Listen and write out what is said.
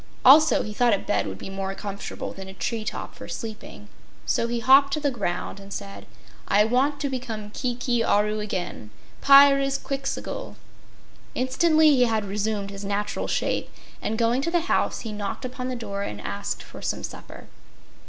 Also he thought a bed would be more comfortable than a tree top for sleeping, so he hopped to the ground and said: "I want to become Kiki Aru again Pyrzqxgl!" Instantly he had resumed his natural shape, and going to the house, he knocked upon the door and asked for some supper.